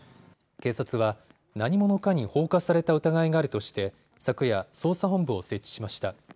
警察は何者かに放火された疑いがあるとして昨夜、捜査本部を設置しました。